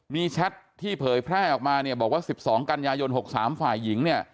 มีชัดที่เผยแพร่ออกมาบอกว่า๑๒กัญญาโยน๖๓ฝ่ายหญิง